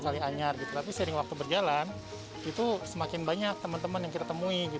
sali anyar gitu tapi sering waktu berjalan itu semakin banyak teman teman yang berpengalaman dengan